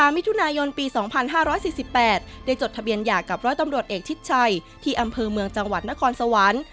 มิถุนายนปี๒๕๔๘ได้จดทะเบียนหย่ากับร้อยตำรวจเอกชิดชัยที่อำเภอเมืองจังหวัดนครสวรรค์